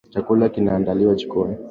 Chakula kinaandaliwa jikoni.